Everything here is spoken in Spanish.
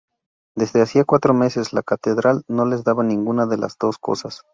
Desde hacía cuatro meses, la catedral no les daba ninguna de las dos cosas.